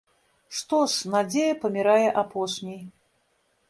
Што ж, надзея памірае апошняй.